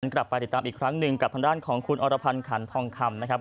กลับไปติดตามอีกครั้งหนึ่งกับทางด้านของคุณอรพันธ์ขันทองคำนะครับ